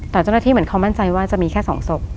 แต่เจ้าหน้าที่เหมือนเขามั่นใจว่าจะมีแค่๒ศพ